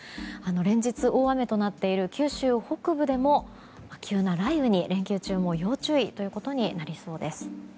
連日、大雨となっている九州北部でも急な雷雨に連休中も要注意となりそうです。